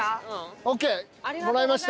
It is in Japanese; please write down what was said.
ＯＫもらいました。